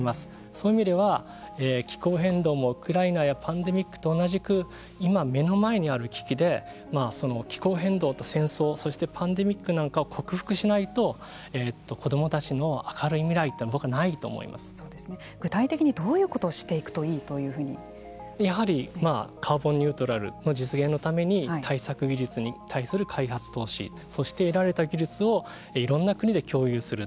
そういう意味では、気候変動もウクライナやパンデミックと同じく今目の前にある危機で気候変動と戦争そしてパンデミックなんかを克服しないと子どもたちの明るい未来というのは具体的にどういうことをやはりカーボンニュートラルの実現のために対策技術に対する開発投資そして、得られた技術をいろんな国で共有する。